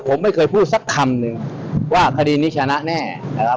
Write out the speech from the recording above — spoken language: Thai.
ผมไม่เคยพูดสักคำหนึ่งว่าคดีนี้ชนะแน่นะครับ